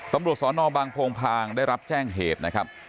ตำรวจสอนอบางโพงพางได้รับแจ้งเหตุนะครับ